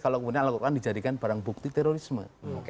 kalau kemudian al quran dijadikan barang bukti terorisme